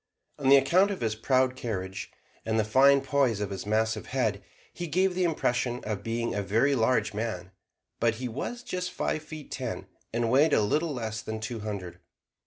On account of his proud carriage, and the fine poise of his massive head, he gave the impression of being a very large man; but he was just five feet ten, and weighed a little less than two hundred.